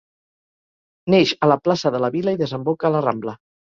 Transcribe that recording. Neix a la plaça de la Vila i desemboca a la Rambla.